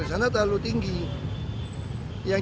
dan tidak terlalu banyak panggilan air